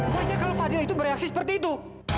pokoknya kalau fadil itu bereaksi seperti itu